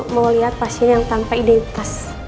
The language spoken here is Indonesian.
mau lihat pasien yang tanpa identitas